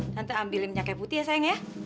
tante ambil minyak kayu putih ya sayang ya